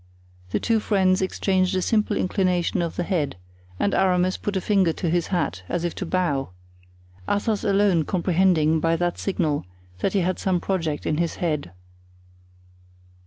The two friends exchanged a simple inclination of the head and Aramis put his finger to his hat, as if to bow, Athos alone comprehending by that signal that he had some project in his head.